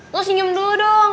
lo senyum dulu dong